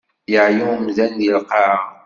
Yeɛya umdan di lqaɛa.